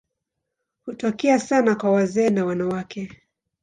Hutokea sana kwa wazee na wanawake.